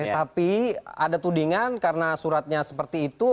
tapi ada tudingan karena suratnya seperti itu